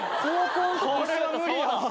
これは無理やわ。